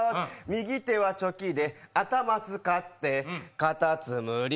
右手はチョキで頭使ってかたつむり。